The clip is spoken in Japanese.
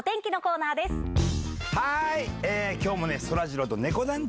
はい！